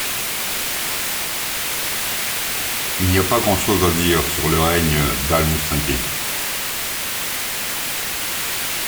Il n’y a pas grand-chose à dire sur le règne d’Al-Mustanjid.